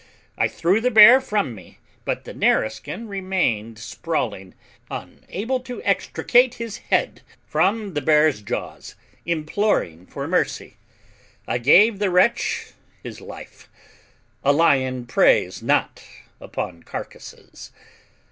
I threw the bear from me, but the Nareskin remained sprawling, unable to extricate his head from the bear's jaws, imploring for mercy. I gave the wretch his life: a lion preys not upon carcases.